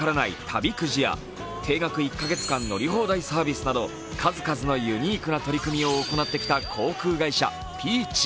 旅くじや定額１カ月間乗り放題サービスなど数々のユニークな取り組みを行ってきた航空会社、Ｐｅａｃｈ。